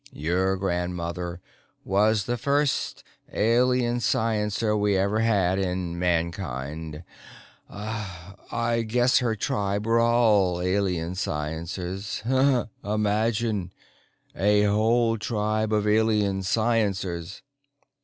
"Your grandmother was the first Alien sciencer we ever had in Mankind. I guess her tribe were all Alien sciencers. Imagine a whole tribe of Alien sciencers!"